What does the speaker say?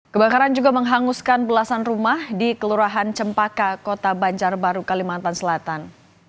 kebakaran juga menghanguskan belasan rumah di kelurahan cempaka kota banjarbaru kalimantan selatan